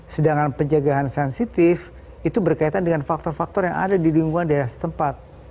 sedangkan penjagaan sensitif itu berkaitan dengan faktor faktor yang ada di lingkungan daerah setempat